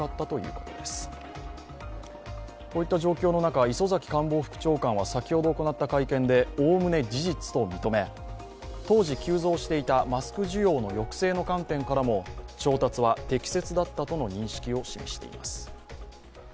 こういった状況の中、磯崎官房副長官は先ほど行った会見でおおむね事実と認め、当時急増していたマスク需要の抑制の観点からも調達は適切だったとの認識を示しています。